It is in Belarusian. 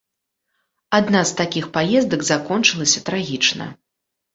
Адна з такіх паездак закончылася трагічна.